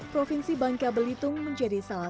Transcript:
provinsi bangka belitung menjaga kekuasaan dan kekuasaan rakyat